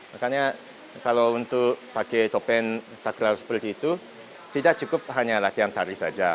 makanya kalau untuk pakai topeng sakral seperti itu tidak cukup hanya latihan tari saja